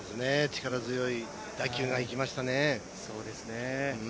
力強い打球がいきましたね。